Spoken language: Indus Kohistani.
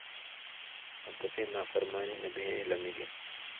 آں تسیں نافرمانی نہ بِھیئیں لمی گے۔